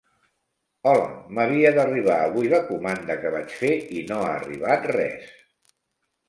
Hola, m'havia d'arribar avui la comanda que vaig fer i no ha arribat res.